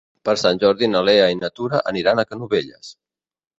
Per Sant Jordi na Lea i na Tura aniran a Canovelles.